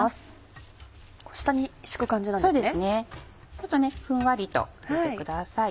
ちょっとふんわりと入れてください。